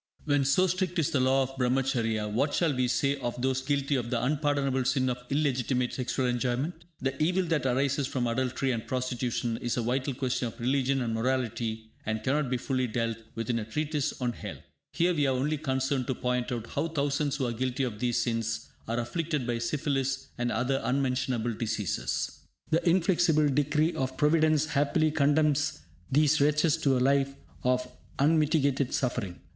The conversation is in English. When so strict is the law of Brahmacharya, what shall we say of those guilty of the unpardonable sin of illegitimate sexual enjoyment? The evil that arises from adultery and prostitution is a vital question of religion and morality and cannot be fully dealt with in a treatise on health. Here we are only concerned to point out how thousands who are guilty of these sins are afflicted by syphilis and other unmentionable diseases. The inflexible decree of Providence happily condemns these wretches to a life of unmitigated suffering.